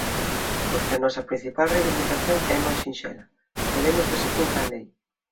Porque a nosa principal reivindicación é moi sinxela: queremos que se cumpra a lei.